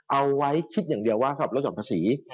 เอาไว้คิดอย่างเดียวว่าสำหรับลดยอดภาษี